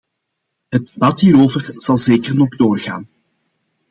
Het debat hierover zal zeker nog doorgaan.